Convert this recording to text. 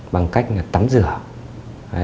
bằng cách là tắm rửa